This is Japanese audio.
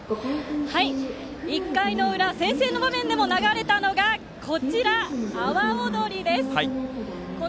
１回の裏先制の場面でも流れたのが阿波おどりです。